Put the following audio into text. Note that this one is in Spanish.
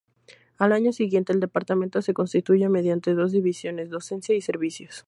Al año siguiente, el departamento se constituye mediante dos divisiones: docencia y servicios.